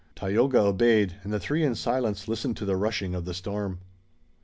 Tayoga obeyed, and the three in silence listened to the rushing of the storm.